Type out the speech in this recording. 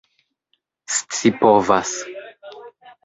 scipovas